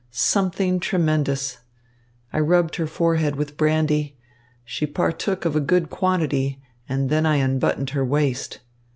Something tremendous. I rubbed her forehead with brandy. She partook of a goodly quantity, and then I unbuttoned her waist.